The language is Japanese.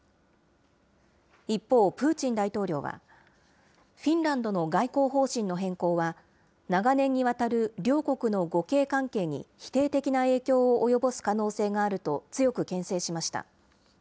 一方、プーチン大統領は、フィンランドの外交方針の変更は、長年にわたる両国の互恵関係に否定的な影響を及ぼす可能性があると強くけん制しました。